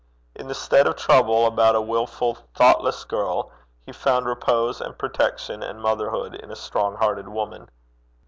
In the stead of trouble about a wilful, thoughtless girl, he found repose and protection and motherhood in a great hearted woman.